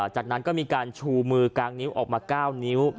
จากนั้นก็มีการชูมือกางนิ้วออกมา๙นิ้ว